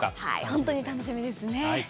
本当に楽しみですね。